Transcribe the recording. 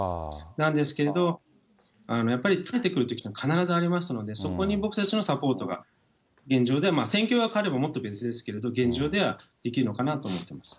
なんですけれど、やっぱり疲れてくるときというのは、必ずありますので、そこに僕たちのサポートが、現状では戦況が変われば、もっと別ですけれども、現状ではできるのかなと思ってます。